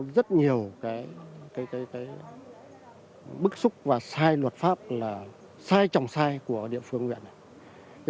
rất nhiều cái bức xúc và sai luật pháp là sai tròng sai của địa phương huyện này